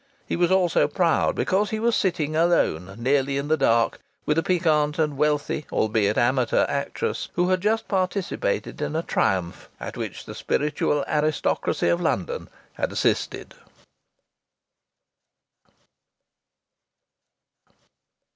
He was also proud because he was sitting alone nearly in the dark with a piquant and wealthy, albeit amateur actress, who had just participated in a triumph at which the spiritual aristocracy of London had assisted.